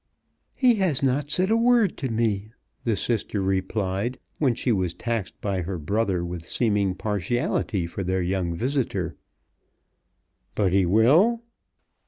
"He has not said a word to me," the sister replied when she was taxed by her brother with seeming partiality for their young visitor. "But he will?"